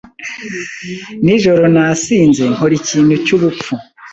Nijoro nasinze nkora ikintu cyubupfu.